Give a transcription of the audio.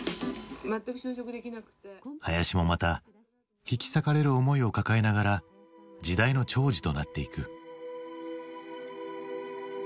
林もまた引き裂かれる思いを抱えながら時代の寵児となっていく。